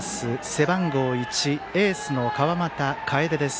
背番号１エースの川又楓です。